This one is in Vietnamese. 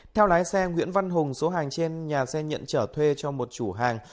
theo lái xe nguyễn văn hùng số hàng trên nhà xe nhận trở thuê cho một chủ hàng